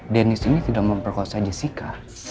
dennis ini tidak memperkosa jessica